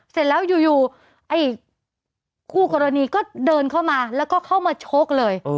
เสร็จแล้วอยู่ไอ้คู่กรณีก็เดินเข้ามาแล้วก็เข้ามาชกเลย